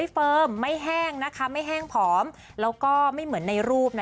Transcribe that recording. เฟิร์มไม่แห้งนะคะไม่แห้งผอมแล้วก็ไม่เหมือนในรูปนะ